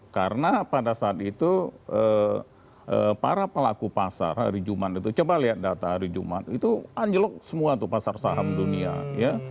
karena pada saat itu para pelaku pasar hari jumat itu coba lihat data hari jumat itu anjlok semua tuh pasar saham dunia ya